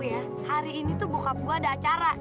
tapi asal lu tau ya hari ini tuh bokap gua ada acara